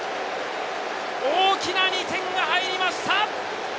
大きな２点が入りました！